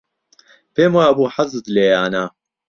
پێم وابوو حەزت لێیانە.